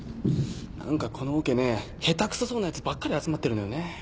何かこのオケね下手クソそうなヤツばっかり集まってるのよね。